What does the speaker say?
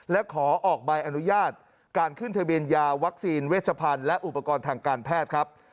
และขอออกใบอนุญาตการขึ้นทะเบียนยาวัคซีนเวชพันธ์และอุปกรณ์ทางการแพทย์ครับ